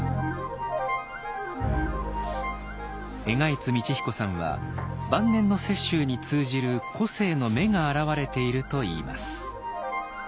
荏開津通彦さんは晩年の雪舟に通じる個性の芽が現れていると言います。